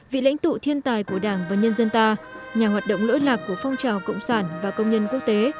vị lãnh tụ thiên tài của đảng và nhân dân ta nhà hoạt động lỗi lạc của phong trào cộng sản và công nhân quốc tế